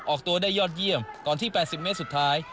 ออกตัวได้ยอดเยี่ยมก่อนที่๘๐เมตรสุดท้าย